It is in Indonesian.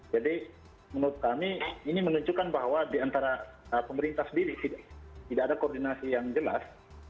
jadi menurut kami ini menunjukkan bahwa di antara pemerintah sendiri tidak ada koordinasi yang jelas